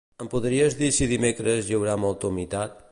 Em podries dir si dimecres hi haurà molta humitat?